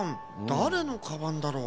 だれのカバンだろう。